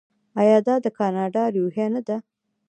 آیا دا د کاناډا روحیه نه ده؟